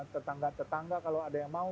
tetangga tetangga kalau ada yang mau